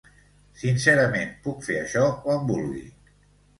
Sincerament, puc fer això quan vulgui.